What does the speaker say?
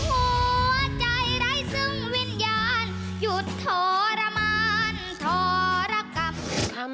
หัวใจไร้ซึ่งวิญญาณหยุดทรมานทรกับคำ